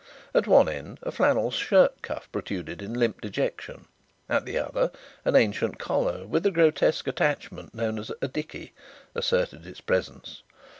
At one end a flannel shirt cuff protruded in limp dejection; at the other an ancient collar, with the grotesque attachment known as a "dickey," asserted its presence.